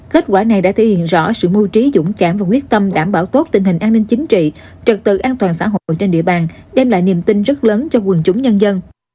kết quả này đã thể hiện rõ sự mưu trí dũng cảm và quyết tâm đảm bảo tốt tình hình an ninh chính trị trật tự an toàn xã hội trên địa bàn đem lại niềm tin rất lớn cho quần chúng nhân dân